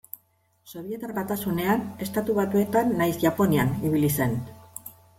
Sobietar Batasunean, Estatu Batuetan nahiz Japonian ibili zen.